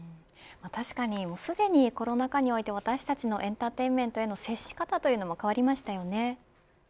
確かにすでにコロナ禍において私たちのエンターテインメントの接し方というのも変わりましたよね。